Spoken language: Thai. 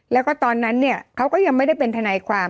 แล้วก็ตอนนั้นเนี่ยเขาก็ยังไม่ได้เป็นทนายความ